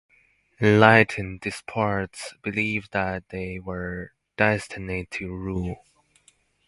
Enlightened despots believed that they were destined to rule.